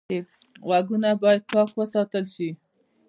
غوږونه باید پاک وساتل شي